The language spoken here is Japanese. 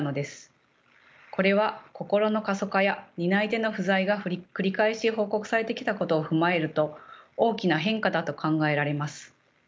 これは心の過疎化や担い手の不在が繰り返し報告されてきたことを踏まえると大きな変化だと考えられます。